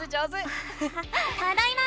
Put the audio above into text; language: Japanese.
ただいま！